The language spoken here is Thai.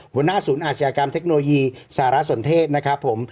หัวหน้าศูนย์อาชญากรรมเทคโนโลยีสารสนเทศนะครับผม